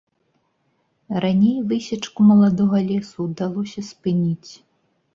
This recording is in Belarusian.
Раней высечку маладога лесу ўдалося спыніць.